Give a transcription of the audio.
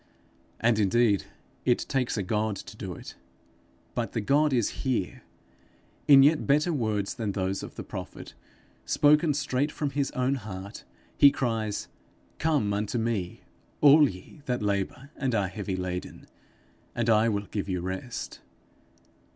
And indeed it takes a God to do it, but the God is here! In yet better words than those of the prophet, spoken straight from his own heart, he cries: 'Come unto me, all ye that labour and are heavy laden, and I will give you rest.'